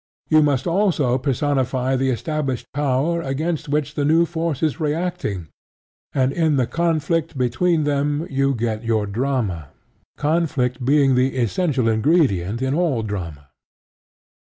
You must also personify the established power against which the new force is reacting; and in the conflict between them you get your drama, conflict being the essential ingredient in all drama.